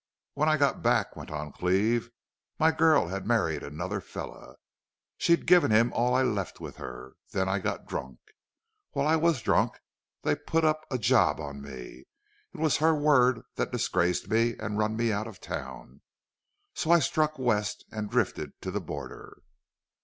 "When I got back," went on Cleve, "my girl had married another fellow. She'd given him all I left with her. Then I got drunk. While I was drunk they put up a job on me. It was her word that disgraced me and run me out of town.... So I struck west and drifted to the border."